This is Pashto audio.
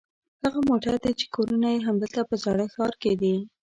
هغه موټر دي چې کورونه یې همدلته په زاړه ښار کې دي.